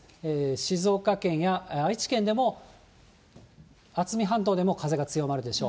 静岡県や愛知県でも、あつみ半島でも風が強まるでしょう。